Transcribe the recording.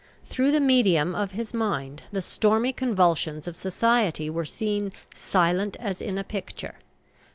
Through the medium of his mind the stormy convulsions of society were seen 'silent as in a picture.'